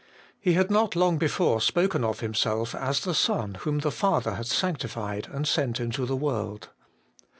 He had not long before spoken of Himself as 'the Son whom the Father hath sanctified and sent into the world.'